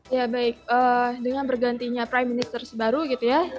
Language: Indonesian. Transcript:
ya baik dengan bergantinya prime minister baru gitu ya